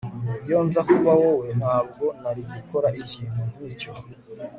Iyo nza kuba wowe ntabwo nari gukora ikintu nkicyo